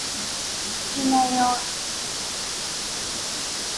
ina yaongeza ile hatari ya kupata